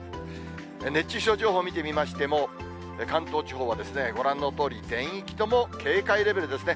熱中症情報見てみましても、関東地方はご覧のとおり全域とも警戒レベルですね。